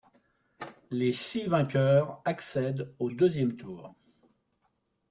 Les six vainqueurs accèdent au deuxième tour.